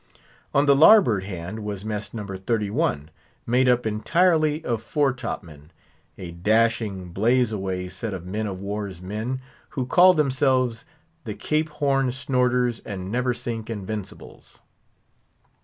On the larboard hand was Mess No. 31, made up entirely of fore top men, a dashing, blaze away set of men of war's men, who called themselves the "Cape Horn Snorters and Neversink Invincibles."